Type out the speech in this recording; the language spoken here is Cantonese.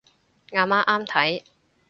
阿媽啱睇